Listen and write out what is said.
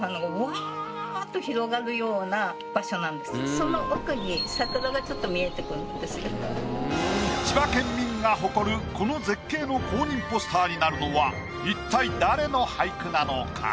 その奥に千葉県民が誇るこの絶景の公認ポスターになるのは一体誰の俳句なのか？